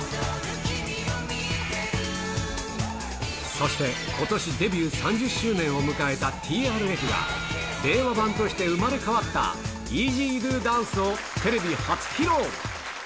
そして、ことしデビュー３０周年を迎えたＴＲＦが、令和版として生まれ変わったＥＺＤＯＤＡＮＣＥをテレビ初披露。